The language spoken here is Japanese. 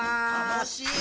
楽しい。